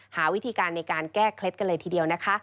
หาวิธีการในการแก้เคล็ดกันเลยทีเดียวนะคะ